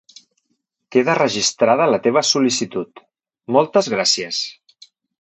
Queda registrada la teva sol·licitud, moltes gràcies!